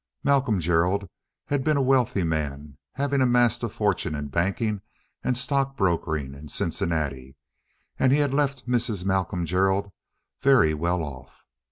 Malcolm Gerald had been a wealthy man, having amassed a fortune in banking and stock brokering in Cincinnati, and he had left Mrs. Malcolm Gerald very well off.